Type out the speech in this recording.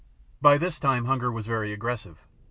By this time hunger was very aggressive.